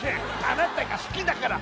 あなたが好きだから！